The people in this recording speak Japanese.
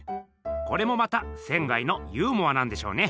これもまた仙のユーモアなんでしょうね。